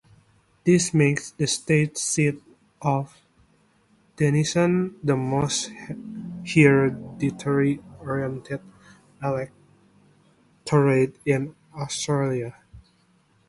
This makes the state seat of Denison the most hereditary oriented electorate in Australia.